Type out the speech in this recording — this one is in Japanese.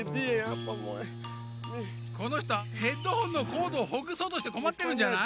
このひとヘッドホンのコードをほぐそうとしてこまってるんじゃない？